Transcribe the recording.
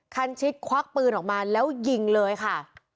คันชิดควักปืนออกมาแล้วยิงเลยค่ะ